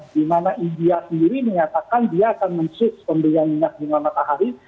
dimana india sendiri menyatakan dia akan mensuits pembelian minyak bunga matahari